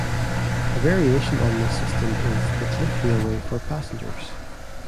A variation on this system is the cliff railway for passengers.